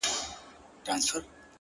دا ده کوچي ځوانيمرگې نجلۍ تول دی؛